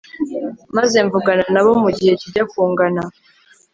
maze mvugana na bo mu gihe kijya kungana